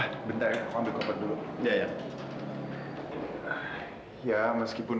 sebenarnya yang diturut oo bom urus kesekitangan teh yang kadang dirokos